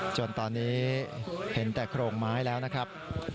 จนตอนนี้เห็นแต่โครงไม้แล้วนะครับ